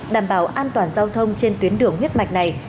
đảm bảo an toàn giao thông trên tuyến đường huyết mạch này